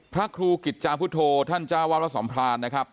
พระครูกิจาพุทธโภท่านจาวาสมพาณนะครับ